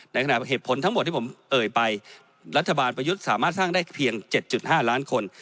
ในขณะเหตุผลทั้งหมดที่ผมเอ่ยไปรัฐบาลประยุทธ์สามารถสร้างได้เพียง๗๕ล้านคน